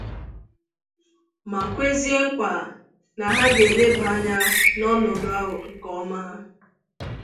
ma kwezie nkwà na ha ga-elebà anya n'ọnọdụ ahụ nke ọma